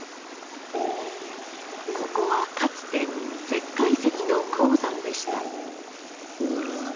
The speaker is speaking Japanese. ここはかつて石灰石の鉱山でした。